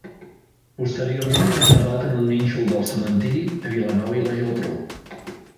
Posteriorment era enterrat en un nínxol del cementeri a Vilanova i la Geltrú.